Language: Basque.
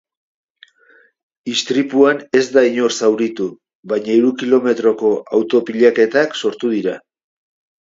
Istripuan ez da inor zauritu, baina hiru kilometroko auto pilaketak sortu dira.